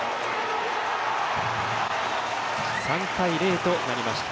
３対０となりました。